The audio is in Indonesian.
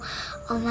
biar dari mama